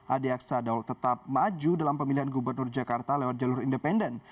adi aksa daul tetap maju dalam pemilihan gubernur jakarta lewat jalur independen